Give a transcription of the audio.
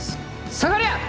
下がりゃ！